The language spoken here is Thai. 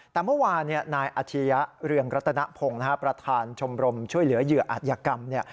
แต่เมื่อวานนายอาชียะเรืองรัตนพงศ์ประธานชมรมช่วยเหลือเหยื่ออาจยกรรมเนี่ย